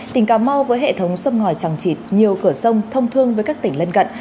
tỉnh cà mau với hệ thống sông ngòi trăng trịt nhiều cửa sông thông thương với các tỉnh lân cận